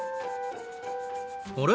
あれ？